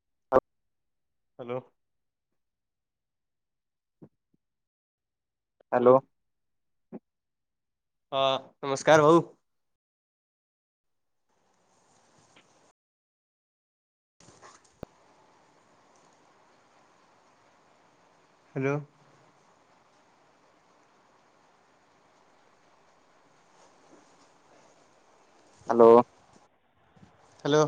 [unintelligible] Hello hello हा नमस्कार भाऊ. हॅलो. हॅलो हॅलो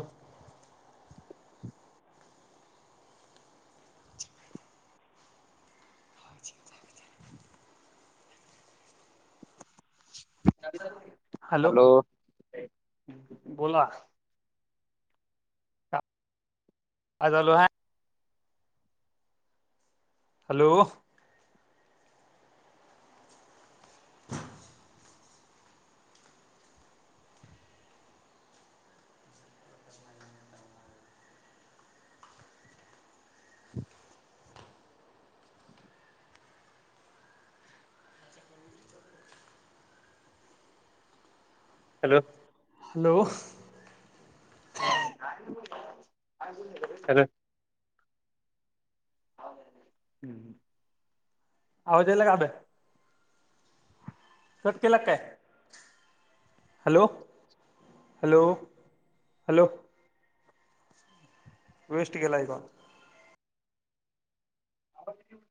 हॅलो बोला. आ झालो ह हॅलो [unintelligible] हॅलो हॅलो आणि कोण [inaudible] हॅ [inaudible] ह् आवाज याला अभ्या [inaudible] कट केलात काय? हॅलो हॅलो हॅलो वेस्ट गेलाईस बा. आ [inaudible]